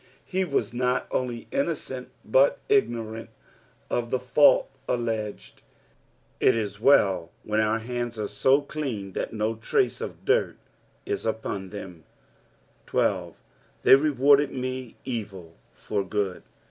He was not only innocent, but igno rant of the fault alleged. It is well when our hands are so clean that no trace of dirt is upon them, 13. " Thei/ reaarded me etU for gnod."".